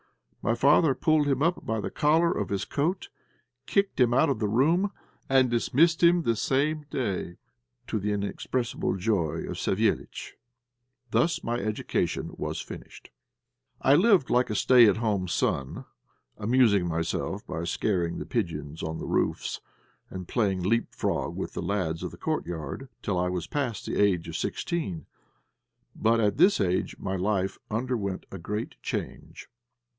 My father pulled him up by the collar of his coat, kicked him out of the room, and dismissed him the same day, to the inexpressible joy of Savéliitch. Thus was my education finished. I lived like a stay at home son (nédoross'l), amusing myself by scaring the pigeons on the roofs, and playing leapfrog with the lads of the courtyard, till I was past the age of sixteen. But at this age my life underwent a great change.